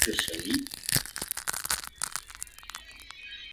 殿试登进士第三甲第八十六名。